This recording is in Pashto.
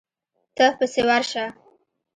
ته پسې ورشه.